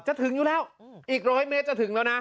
ถึงอยู่แล้วอีกร้อยเมตรจะถึงแล้วนะ